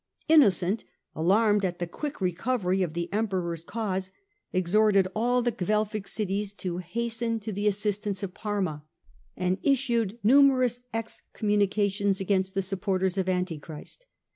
Innocent, alarmed at the quick recovery of the Emperor's cause, exhorted all the Guelfic cities to hasten 264 STUPOR MUNDI to the assistance of Parma, and issued numerous ex communications against the supporters of Antichrist.